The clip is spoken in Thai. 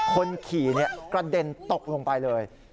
คนขี่กระเด็นตกลงไปเลย